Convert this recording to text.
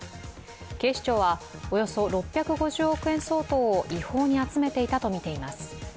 警視庁はおよそ６５０億円相当を違法に集めていたとみています。